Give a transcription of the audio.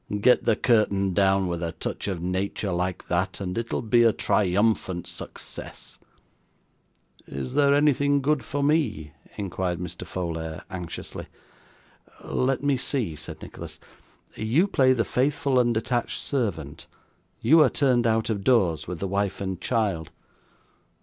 Get the curtain down with a touch of nature like that, and it'll be a triumphant success.' 'Is there anything good for me?' inquired Mr. Folair, anxiously. 'Let me see,' said Nicholas. 'You play the faithful and attached servant; you are turned out of doors with the wife and child.